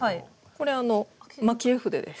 これあの蒔絵筆です。